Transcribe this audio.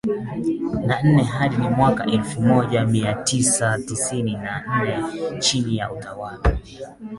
na nne hadi mwaka elfu moja mia tisa tisini na nne chini ya utawala